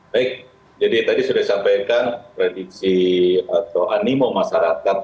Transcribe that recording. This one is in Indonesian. baik jadi tadi sudah disampaikan prediksi atau animo masyarakat